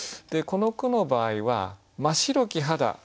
この句の場合は「ま白き肌」。